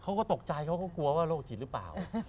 เขาก็ตกใจเขาก็กลัวว่าโรคจิตหรือเปล่า